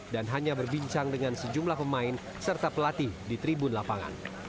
dan hanya berbincang dengan sejumlah pemain serta pelatih di tribun lapangan